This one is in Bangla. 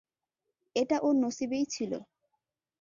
এটা ওর নসিবেই ছিল।